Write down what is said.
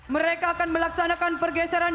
mereka akan melaksanakan pergeseran